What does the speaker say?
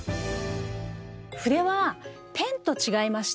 筆はペンと違いまして。